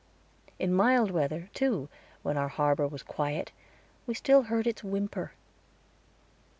In mild weather, too, when our harbor was quiet, we still heard its whimper.